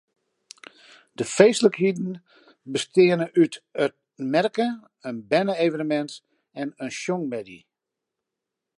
De feestlikheden besteane út in merke, in berne-evenemint en in sjongmiddei.